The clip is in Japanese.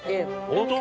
◆本当？